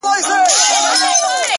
• څوك دي د جاناني كيسې نه كوي،